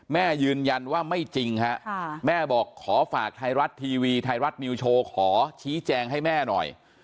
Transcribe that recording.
แม่ยืนยันว่าไม่จริงฮะแม่บอกขอฝากไทยรัฐทีวีไทยรัฐนิวโชว์ขอชี้แจงให้แม่หน่อย